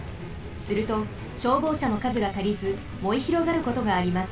すると消防車のかずがたりずもえひろがることがあります。